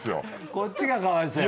こっちがかわいそうやわ！